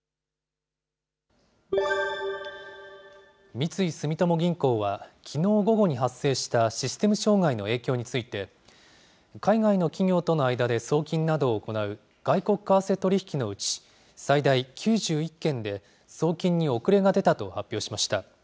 三井住友銀行はきのう午後に発生したシステム障害の影響について、海外の企業との間で送金などを行う外国為替取引のうち、最大９１件で送金に遅れが出たと発表しました。